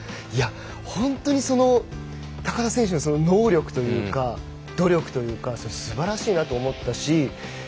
本当にその高田選手の能力というか努力というかすばらしいなと思ったし。